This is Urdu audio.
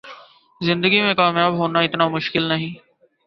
زندگی میں کامیاب ہونا اتنا مشکل نہیں